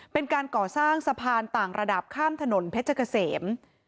เป็นการก่อสร้างสะพานต่างระดับข้ามถนนเพชรเกษม